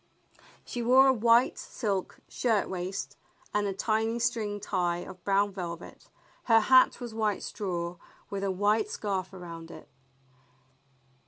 She wore a w^hite silk shirt waist and a tiny string tie of brown velvet. Her hat was white straw with a white scarf around it.